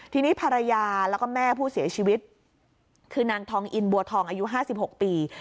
ทีนี้ภรรยาแล้วก็แม่ผู้เสียชีวิตคือนางทองอินบัวทองอายุ๕๖ปี